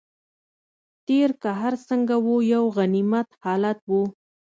تېر که هر څنګه و یو غنیمت حالت دی.